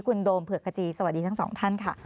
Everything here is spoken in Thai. คุณโดมเผือกขจีสวัสดีทั้งสองท่านค่ะ